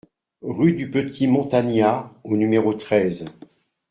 Rue du Petit-Montagna au numéro treize